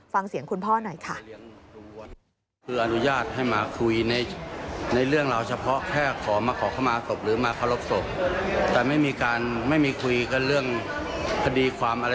ฟังเสียงคุณพ่อหน่อยค่ะ